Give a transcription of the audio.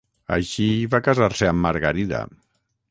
Així, va casar-se amb Margarida.